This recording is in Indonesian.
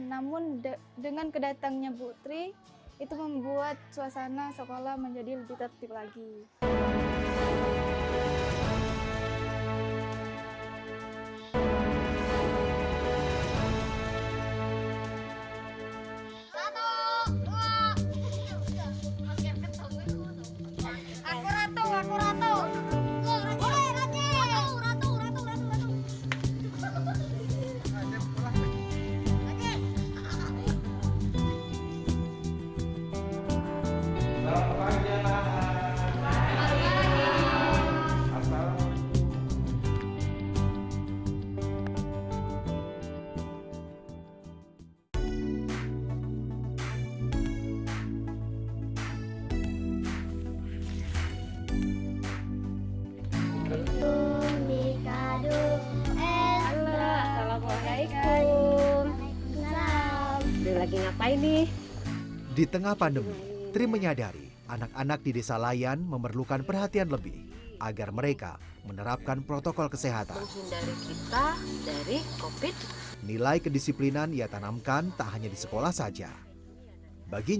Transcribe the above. namun dengan kedatangnya ibu tri itu membuat suasana sekolah menjadi lebih tertip lagi